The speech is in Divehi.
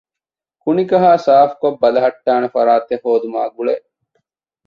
ކުނިކަހައި ސާފުކޮށް ބަލަހައްޓާނެ ފަރާތެއް ހޯދުމާ ގުޅޭ